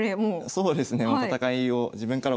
そうですね。